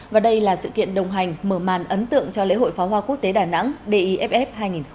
và đây là sự kiện đồng hành mở màn ấn tượng cho lễ hội pháo hoa quốc tế đà nẵng deff hai nghìn một mươi chín